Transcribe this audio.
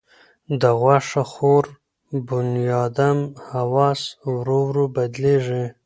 د غوښه خور بنیادم حواس ورو ورو بدلېږي.